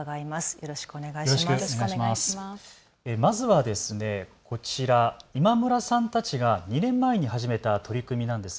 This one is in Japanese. よろしくお願いします。